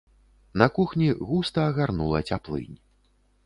На кухні густа агарнула цяплынь.